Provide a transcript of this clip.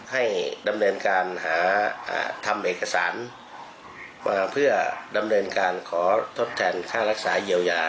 ให้ดำเนินการหาทำเอกสารมาเพื่อดำเนินการขอทดแทนค่ารักษาเยียวยา